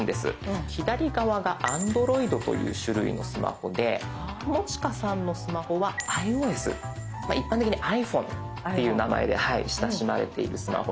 左側がＡｎｄｒｏｉｄという種類のスマホで友近さんのスマホはｉＯＳ一般的にはｉＰｈｏｎｅという名前で親しまれているスマホになります。